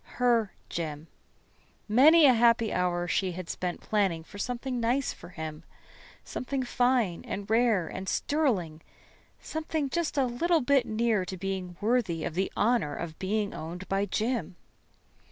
Her Jim. Many a happy hour she had spent planning for something nice for him. Something fine and rare and sterling something just a little bit near to being worthy of the honor of being owned by Jim.